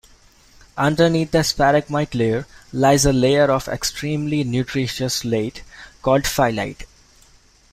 Underneath the sparagmite layer, lies a layer of extremely nutritious slate, called phyllite.